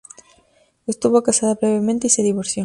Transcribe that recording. Estuvo casada brevemente y se divorció.